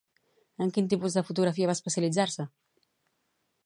En quin tipus de fotografia va especialitzar-se?